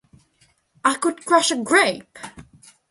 I could crush a grape!!